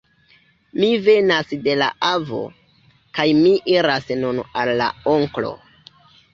Mi venas de la avo; kaj mi iras nun al la onklo.